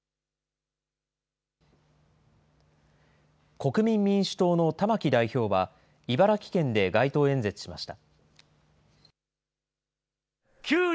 国民民主党の玉木代表は、茨城県で街頭演説しました。